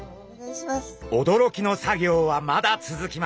驚きの作業はまだ続きます。